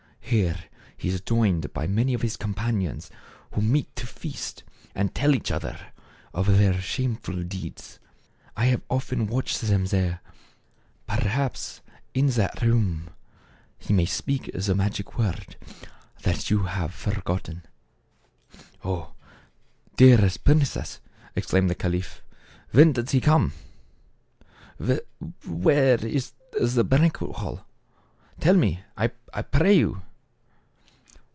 Here he is joined by many of his companions who meet to feast, and tell each other of their shameful deeds. I have often watched them there. Perhaps in that THE CARAVAN. 101 room he may speak the magic word that you have forgotten." " Oh ! dearest princess," exclaimed the caliph, " When does he come ; where is the banquet hall ? Tell me, I pray you."